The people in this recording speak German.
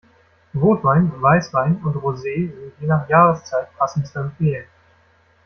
Rotwein, Weißwein und Rosee sind je nach Jahreszeit passend zu empfehlen.